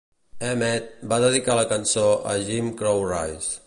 Emmett va dedicar la cançó a "Jim Crow Rice".